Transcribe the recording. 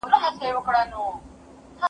اغــــزي يې وكـــرل دوى ولاړل ترينه